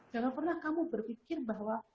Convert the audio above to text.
jangan pernah kamu berpikir bahwa